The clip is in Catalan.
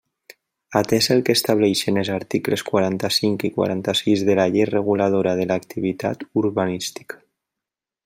Atés el que estableixen els articles quaranta-cinc i quaranta-sis de la Llei reguladora de l'activitat urbanística.